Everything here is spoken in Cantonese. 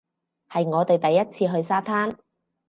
係我哋第一次去沙灘